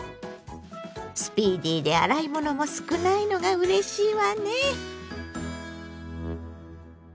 スピーディーで洗い物も少ないのがうれしいわね。